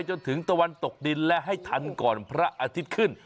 ตะวันตกดินและให้ทันก่อนพระอาทิตย์ขึ้น